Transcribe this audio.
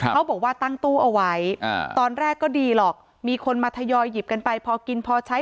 เขาบอกว่าตั้งตู้เอาไว้ตอนแรกก็ดีหรอกมีคนมาทยอยหยิบกันไปพอกินพอใช้